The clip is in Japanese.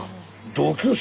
同級生？